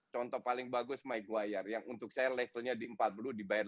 contoh paling bagus mike wire yang untuk saya levelnya di empat puluh dibayar